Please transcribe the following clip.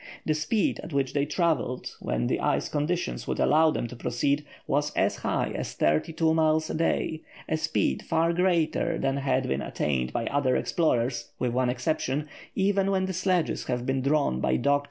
The speed at which they travelled, when the ice conditions would allow them to proceed, was as high as thirty two miles a day, a speed far greater than has been attained by other explorers, with one exception, even when the sledges have been drawn by dog teams.